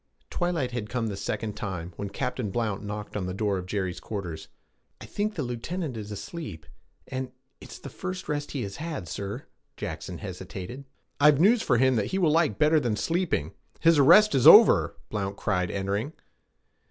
Twilight had come the second time when Captain Blount knocked at the door of Jerry's quarters. 'I think the lieutenant is asleep and it's the first rest he has had, sir' Jackson hesitated. 'I've news for him that he will like better than sleeping! His arrest is over!' Blount cried, entering.